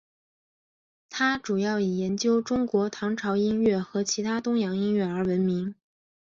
他主要以研究中国唐朝音乐和其他东洋音乐而闻名。